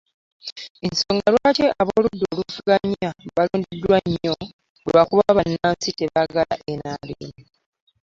Ensonga lwaki ab'oludda oluvuganya baalondeddwa nnyo lwakuba bannansi tebaagala NRM